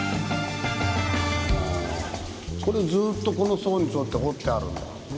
これずっとこの層に沿って掘ってあるんだ。